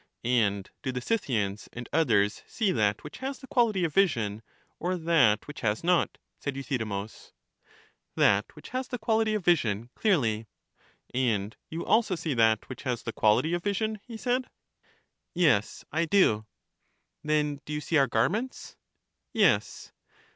And do the Scythians and others see that which has the quality of vision, or that which has not? said Euthydemus. That which has the quality of vision clearly. And you also see that which has the quality of vision? he said. 264 EUTHYDEMUS Yes, I do. Then do you see our garments? Yes.